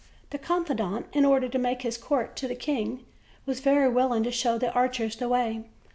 The confidant, in order to make his court to the king, was very willing to show the archers the way.